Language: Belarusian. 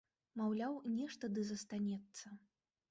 Маўляў, нешта ды застанецца.